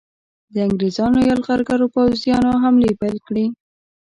د انګریزانو یرغلګرو پوځیانو حملې پیل کړې.